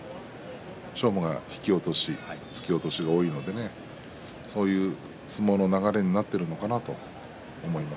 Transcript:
翔馬が突き落とし、突き落としが多いのでそういう相撲の流れになっているのかなと思います。